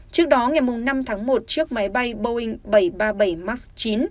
trước đó ngày năm tháng một chiếc máy bay boeing bảy trăm ba mươi bảy max chín